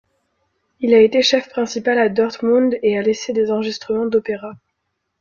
Il a été chef principal à Dortmund et a laissé des enregistrements d'opéras.